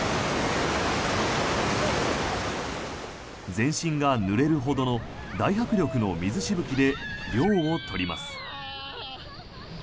全身がぬれるほどの大迫力の水しぶきで涼を取ります。